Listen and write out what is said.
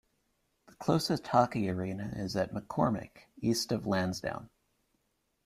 The closest hockey arena is at McCormick, east of Lansdowne.